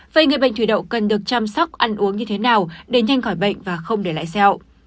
vậy người bệnh thủy đậu cần được chăm sóc ăn uống như thế nào để nhanh khỏi bệnh và không để lại sẹo